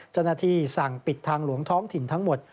เจ้าหน้าที่สั่งปิดทางหลวงท้องถิ่นทั้งหมด